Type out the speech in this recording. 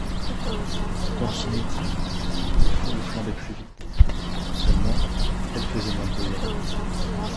Dans son midi, les foules flambaient plus vite, seulement elles faisaient moins de besogne.